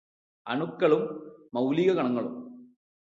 അണുക്കളും മൗലികകണങ്ങളും